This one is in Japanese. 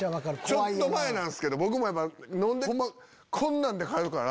ちょっと前なんすけど僕も飲んでこんなんで帰るから。